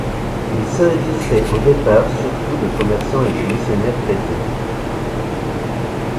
Il s'agissait au départ surtout de commerçants et de missionnaires chrétiens.